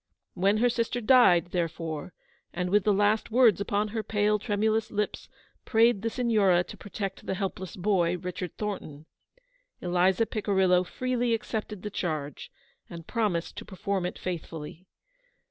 When her sister died, therefore, and with the last words upon her pale, tremulous lips prayed the Signora to protect the helpless boy, Richard Thornton, Eliza Picirillo freely accepted the charge, and promised to perform it faithfully.